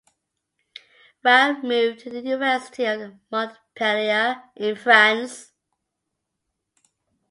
Rao moved to the University of Montpellier in France.